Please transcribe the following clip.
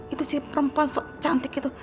itu si perempuan sok cantik itu